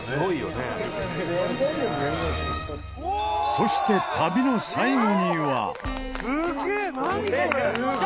そして旅の最後には。